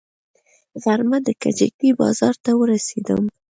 غرمه د کجکي بازار ته ورسېدم.